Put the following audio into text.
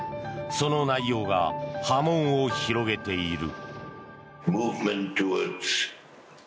その内容が波紋を広げている。